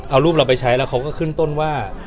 เอารูปเราไปใช้แล้วเขาก็ขึ้นต้นว่า